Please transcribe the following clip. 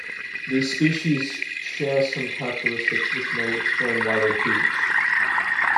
These species share some characteristics which may explain why they beach.